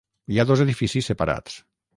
Hi ha dos edificis separats.